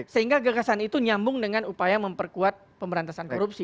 sehingga gagasan itu nyambung dengan upaya memperkuat pemberantasan korupsi